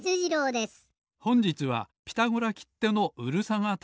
ほんじつは「ピタゴラ」きってのうるさがた